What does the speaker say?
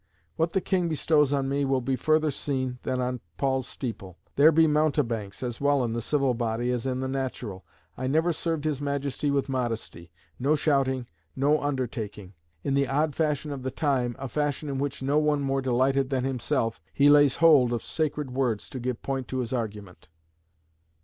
"What the King bestows on me will be further seen than on Paul's steeple." "There be mountebanks, as well in the civil body as in the natural; I ever served his Majesty with modesty; no shouting, no undertaking." In the odd fashion of the time a fashion in which no one more delighted than himself he lays hold of sacred words to give point to his argument.